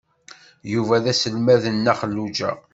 Yuba d aselmad n Nna Xelluǧa.